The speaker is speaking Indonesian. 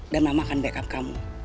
dan mama akan backup kamu